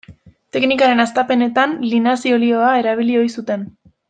Teknikaren hastapenetan linazi-olioa erabili ohi zuten.